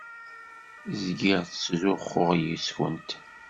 Zgiɣ ttzuxxuɣ yes-kent.